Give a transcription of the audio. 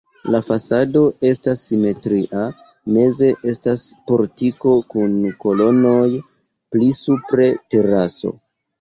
La fasado estas simetria, meze estas portiko kun kolonoj, pli supre teraso.